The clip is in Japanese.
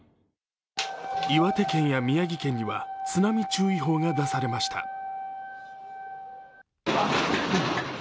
岩手県や宮城県には津波注意報が出されました。